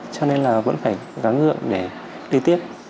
cho nên là vẫn phải gắn gượng để đi tiếp